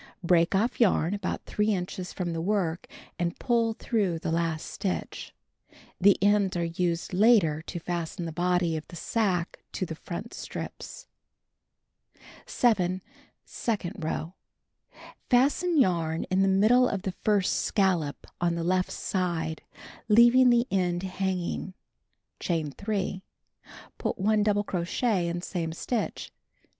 Break off yarn about 3 inches from the work and pull through the last stitch. The ends are used later to fasten the body of the sacque to the front strips. 7. Second row: Fasten yarn in the middle of the first scallop on the left side, leaving the end hanging. Chain 3. Put 1 double crochet in same stitch.